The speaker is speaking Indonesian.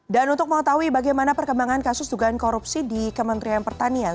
dan untuk mengetahui bagaimana perkembangan kasus dugaan korupsi di kementerian pertanian